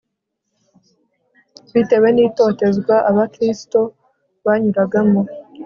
bitewe ni totezwa abakristo banyuragamo